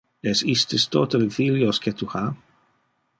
Es istes tote le filios que tu ha?